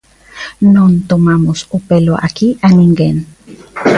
Non tomamos o pelo aquí a ninguén.